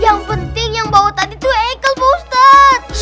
yang penting yang bawa tadi tuh haikal pak ustadz